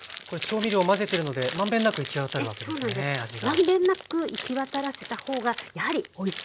満遍なく行き渡らせた方がやはりおいしい。